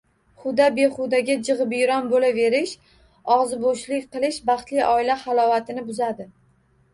Huda-behudaga jig‘ibiyron bo‘laverish, og‘zibo‘shlik qilish baxtli oila halovatini buzadi.